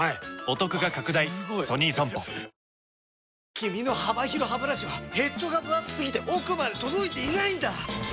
君の幅広ハブラシはヘッドがぶ厚すぎて奥まで届いていないんだ！